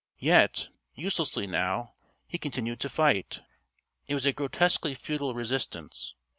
Yet uselessly now he continued to fight. It was a grotesquely futile resistance.